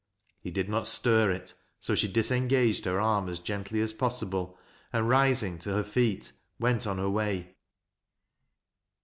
ITe did not stir it, so she disengaged her arm as gently as possible, and, rising to her feet, went on her way.